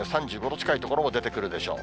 ３５度近い所も出てくるでしょう。